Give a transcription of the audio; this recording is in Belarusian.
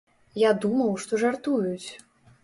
Я думаў, што жартуюць.